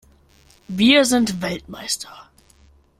Wir sind Weltmeister!